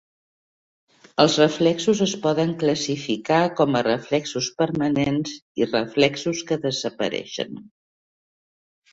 Els reflexos es poden classificar com a reflexos permanents i reflexos que desapareixen.